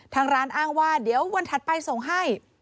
ทางร้านอ้างว่าเดี๋ยววันถัดไปส่งให้